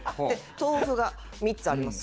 豆腐が３つあります。